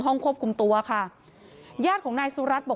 ห้องควบคุมตัวค่ะญาติของนายสุรัตน์บอก